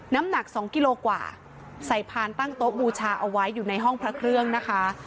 น้ำหนัก๒กิโลกว่าใส่พานตั้งโต๊ะบูชาเอาไว้อยู่ในห้องพระเครื่องนะคะ